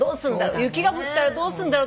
雪が降ったらどうすんだろうって。